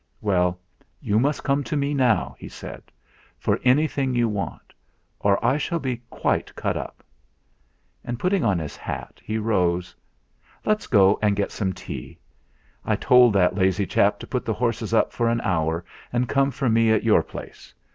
"Well, you must come to me now," he said, "for anything you want, or I shall be quite cut up." And putting on his hat, he rose. "Let's go and get some tea. I told that lazy chap to put the horses up for an hour, and come for me at your place.